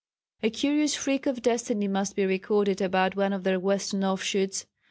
A curious freak of destiny must be recorded about one of their western offshoots.